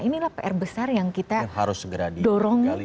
inilah pr besar yang kita dorong